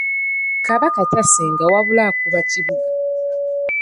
Kabaka tasenga wabula akuba kibuga.